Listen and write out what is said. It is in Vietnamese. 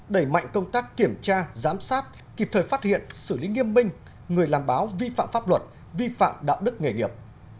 đẩy mạnh công tác kiểm tra giám sát kịp thời phát hiện xử lý nghiêm minh người làm báo vi phạm pháp luật vi phạm đạo đức nghề nghiệp